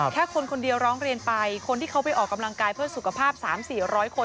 แค่คนคนเดียวร้องเรียนไปคนที่เขาไปออกกำลังกายเพื่อสุขภาพ๓๔๐๐คน